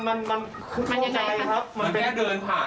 มันก็คงไม่ได้ออกมา